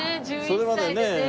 それまでね